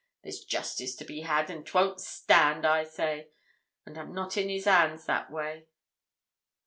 There's justice to be had, and 'twon't stand, I say; and I'm not in 'is hands that way.